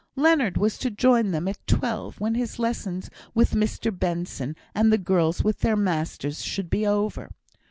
Leonard was to join them at twelve, when his lessons with Mr Benson, and the girls' with their masters, should be over.